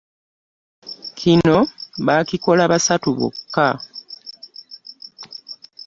Kino baakikola basatu bokka.